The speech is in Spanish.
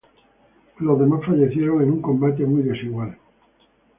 Los demás fallecieron en un combate muy desigual.